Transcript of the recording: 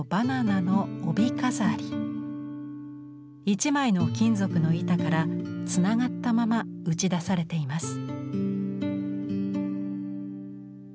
一枚の金属の板からつながったまま打ち出されています。